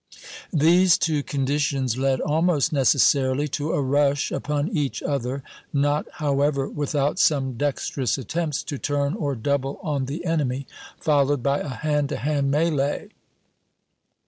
These two conditions led almost necessarily to a rush upon each other, not, however, without some dexterous attempts to turn or double on the enemy, followed by a hand to hand mêlée.